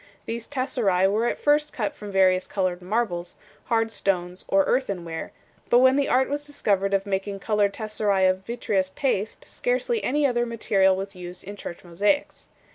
These tesserae were at first cut from various coloured marbles, hard stones, or earthenware, but when the art was discovered of making coloured tesserae of vitreous paste scarcely any other material was used in church mosaics.